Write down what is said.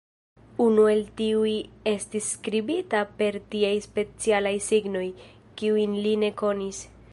Unu el tiuj estis skribita per tiaj specialaj signoj, kiujn li ne konis.